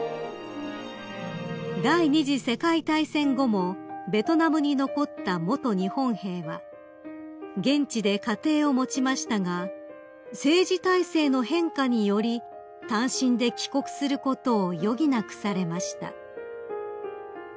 ［第２次世界大戦後もベトナムに残った元日本兵は現地で家庭を持ちましたが政治体制の変化により単身で帰国することを余儀なくされました］